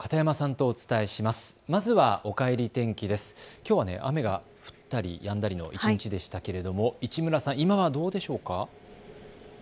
きょうは雨が降ったりやんだりの一日でしたけれども市村さん、今はどうでしょうか。